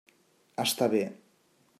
Està bé.